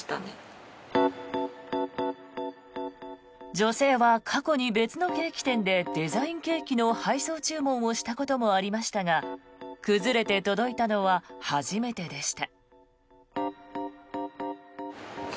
女性は過去に別のケーキ店でデザインケーキの配送注文をしたこともありましたが崩れて届いたのは初めてでした。